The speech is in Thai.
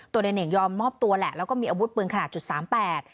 ตัวในเหน่งยอมมอบตัวแหละแล้วก็มีอาวุธปืนขนาด๐๓๘